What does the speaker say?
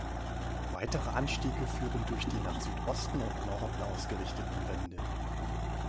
Weitere Anstiege führen durch die nach Südosten und Norden ausgerichteten Wände.